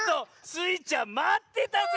スイちゃんまってたぜ！